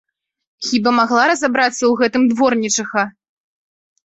Хіба магла разабрацца ў гэтым дворнічыха!